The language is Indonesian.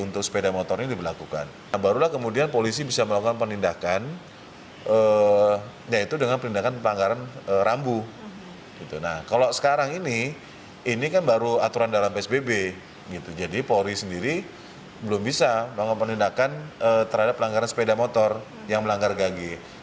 terhadap pelanggaran sepeda motor yang melanggar gage